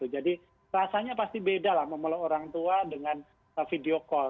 jadi rasanya pasti beda lah melewatkan orang tua dengan video call